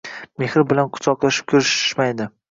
Mehr bilan quchoqlashib koʻrishishmaydi.